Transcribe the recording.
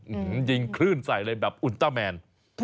อื้อหือยิงคลื่นใส่เลยแบบอุนเตอร์แมน